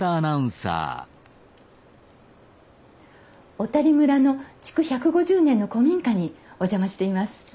小谷村の築１５０年の古民家にお邪魔しています。